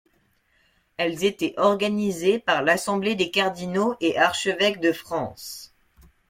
Elles étaient organisées par l'Assemblée des cardinaux et archevêques de France.